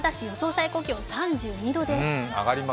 最高気温、３２度です。